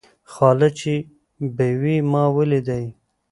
خالد چې بېوى؛ ما وليدئ.